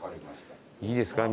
いいですか？